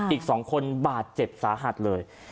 อีก๒คนบาดเจ็บสาหัสเลย